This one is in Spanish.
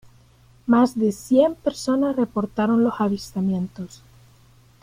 Más de cien personas reportaron los avistamientos.